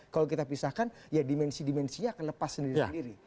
kalau kita pisahkan ya dimensi dimensinya akan lepas sendiri sendiri